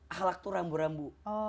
akhlaq itu rambu rambu